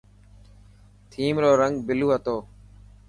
ٿيم رو رنگ بلو هتو.